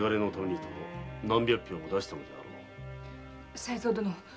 才三殿。